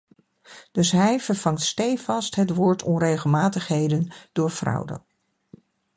Dus hij vervangt steevast het woord onregelmatigheden door fraude.